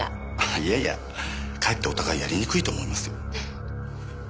いやいやかえってお互いやりにくいと思いますよ。